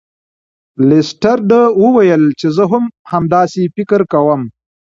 لیسټرډ وویل چې زه هم همداسې فکر کوم.